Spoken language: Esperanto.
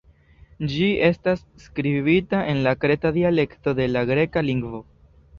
Ĝi estas skribita en la Kreta dialekto de la Greka lingvo.